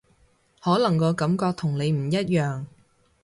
可能個感覺同你唔一樣